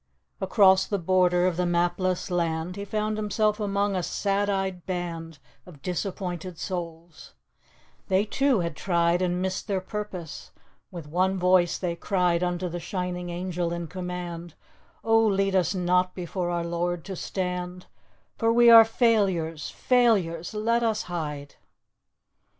Across the border of the mapless land He found himself among a sad eyed band Of disappointed souls; they, too, had tried And missed their purpose. With one voice they cried Unto the shining Angel in command: 'Oh, lead us not before our Lord to stand, For we are failures, failures! Let us hide.